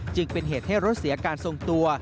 จึงเป็นเหตุให้รถเสียการทรงตัว